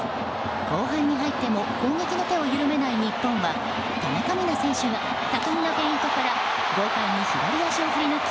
後半に入っても攻撃の手を緩めない日本は田中美南選手が巧みなフェイントから豪快に左足を振りぬき